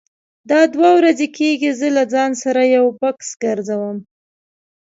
دا دوه ورځې کېږي زه له ځان سره یو بکس ګرځوم.